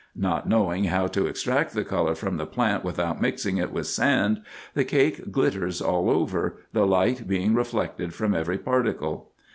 Not knowing how to extract the colour from the plant without mixing it with sand, the cake glitters all over, the light being reflected from every particle.